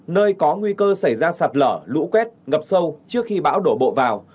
nơi có nguy cơ xảy ra sạt lở lũ quét ngập sâu trước khi bão đổ bộ vào